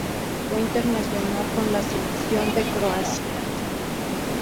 Fue internacional con la selección de Croacia.